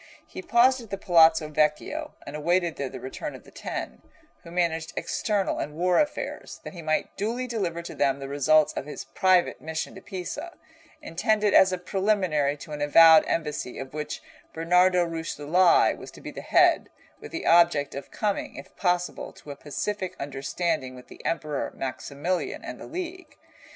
He paused at the Palazzo Vecchio, and awaited there the return of the Ten, who managed external and war affairs, that he might duly deliver to them the results of his private mission to Pisa, intended as a preliminary to an avowed embassy of which Bernardo Rucellai was to be the head, with the object of coming, if possible, to a pacific understanding with the Emperor Maximilian and the League.